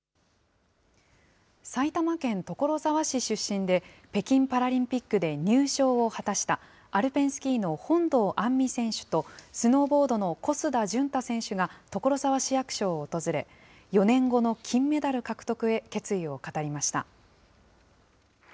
埼玉県所沢市出身で、北京パラリンピックで入賞を果たしたアルペンスキーの本堂杏実選手と、スノーボードの小須田潤太選手が所沢市役所を訪れ、４年後の金メダル獲得へ、決意を語りました。